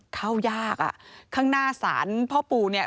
เข้ายากอ่ะข้างหน้าศาลพ่อปู่เนี่ย